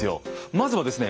まずはですね